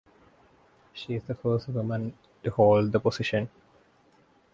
She is the first woman to hold the position.